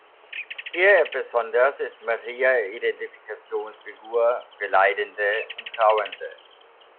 Hier besonders ist Maria Identifikationsfigur für Leidende und Trauernde.